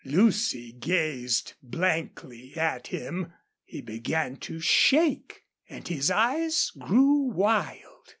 Lucy gazed blankly at him. He began to shake, and his eyes grew wild.